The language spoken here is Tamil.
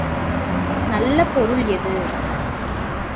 நல்ல பொருள் எது?